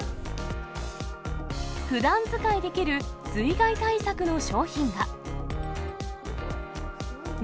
ふだん使いできる水害対策の商品が。